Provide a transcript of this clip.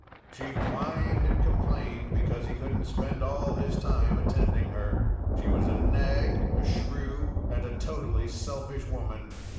She'd whined and complained because he couldn't spend all his time attending her. She was a nag, a shrew, and a totally selfish woman.